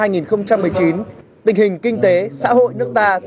trong năm hai nghìn một mươi chín tình hình kinh tế xã hội nước ta tiếp tục